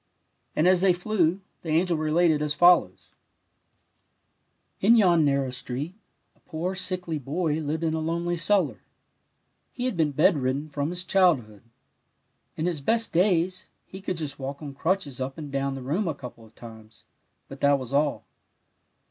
And as they flew, the angel related as fol lows: 112 THE WILD ROSE *' In yon narrow street, a poor, sickly boy lived in a lonely cellar. He had been bed ridden from his childhood. In his best days, he could just walk on crutches up and down the room a couple of times, but that was all.